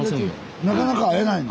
なかなか会えないの？